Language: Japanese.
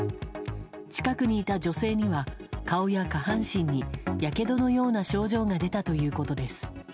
近くにいた女性には顔や下半身にやけどのような症状が出たということです。